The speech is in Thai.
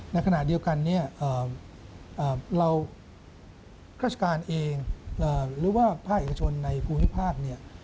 ในขณะเดียวกันเนี่ยเราราชการเองหรือว่าภาคเอกชนในภูมิภาคเนี่ย